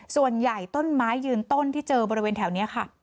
ส่วนใหญ่ต้นไม้ยืนต้นที่เจอบริเวณแถวนี้ค่ะ